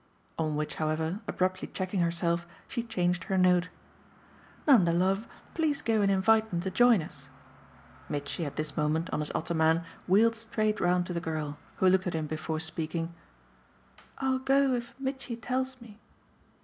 On which however, abruptly checking herself, she changed her note. "Nanda love, please go and invite them to join us." Mitchy, at this, on his ottoman, wheeled straight round to the girl, who looked at him before speaking. "I'll go if Mitchy tells me."